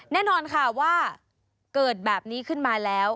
แน่นอนค่ะว่าเกิดแบบนี้ขึ้นมาแล้ว